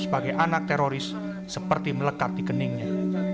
sebagai anak teroris seperti melekat dikeningnya